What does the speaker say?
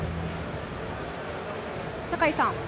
酒井さん